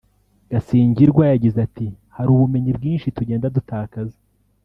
Gasingirwa yagize ati” hari ubumenyi bwinshi tugenda dutakaza